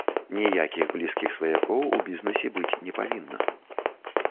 Ніякіх блізкіх сваякоў у бізнэсе быць не павінна.